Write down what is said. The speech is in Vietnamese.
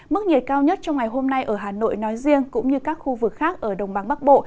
mức nhiệt cao nhất trong ngày hôm nay ở hà nội nói riêng cũng như các khu vực khác ở đồng bằng bắc bộ